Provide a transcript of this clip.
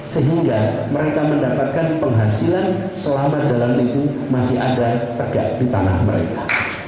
sehingga mereka mendapatkan penghasilan selama jalan itu masih ada tegak di tanah mereka